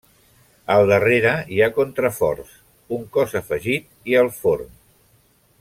Al darrere hi ha contraforts, un cos afegit i el forn.